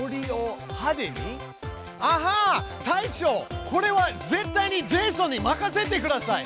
アハ隊長これは絶対にジェイソンに任せてください！